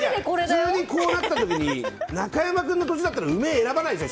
普通にこうなった時に中山君の年だったら梅を選ばないでしょ。